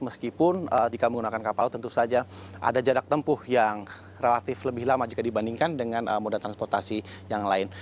meskipun jika menggunakan kapal laut tentu saja ada jarak tempuh yang relatif lebih lama jika dibandingkan dengan moda transportasi yang lain